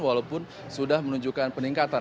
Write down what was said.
walaupun sudah menunjukkan peningkatan